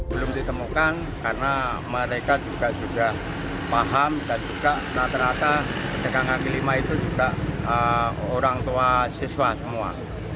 belum ditemukan karena mereka juga sudah paham dan juga rata rata pedagang kaki lima itu juga orang tua siswa semua